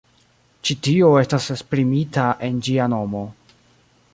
Ĉi tio estas esprimita en ĝia nomo.